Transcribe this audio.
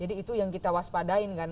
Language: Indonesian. jadi itu yang kita waspadain kan